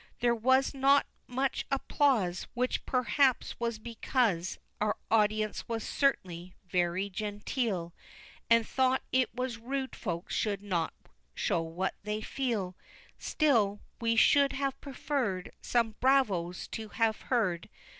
There was not much applause, Which perhaps was because Our audience was certainly very genteel, And thought it was rude folks should show what they feel; Still, we should have preferred Some "bravos!" to have heard.